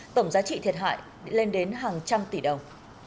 tổng giá trị thiệt hại lên đến hàng trăm tỷ đồng